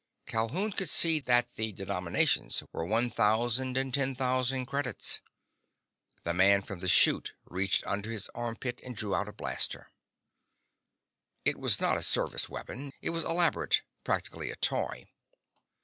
Calhoun could see that the denominations were one thousand and ten thousand credits. The man from the chute reached under his armpit and drew out a blaster. It was not a service weapon. It was elaborate, practically a toy.